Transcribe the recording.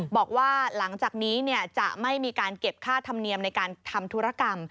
บอกว่าหลังจากนี้จะไม่มีการเก็บค่าธรรมเนียมในการทำธุรกรรม